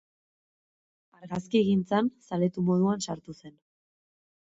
Argazkigintzan zaletu moduan sartu zen.